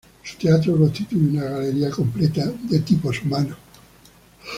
Su teatro constituye una galería completa de tipos humanos.